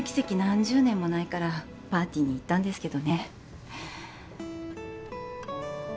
何十年もないからパーティーに行ったんですけどね